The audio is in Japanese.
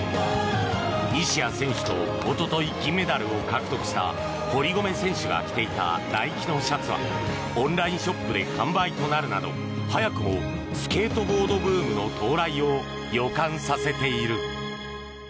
西矢選手とおととい金メダルを獲得した堀米選手が着ていたナイキのシャツはオンラインショップで完売となるなど早くもスケートボードブームの到来を予感させている。